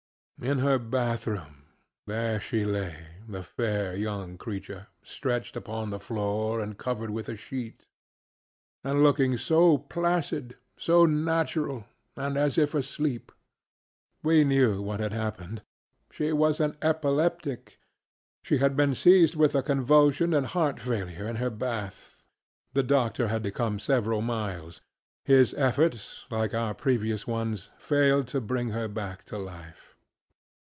In her bathroom there she lay, the fair young creature, stretched upon the floor and covered with a sheet. And looking so placid, so natural, and as if asleep. We knew what had happened. She was an epileptic: she had been seized with a convulsion and heart failure in her bath. The doctor had to come several miles. His efforts, like our previous ones, failed to bring her back to life.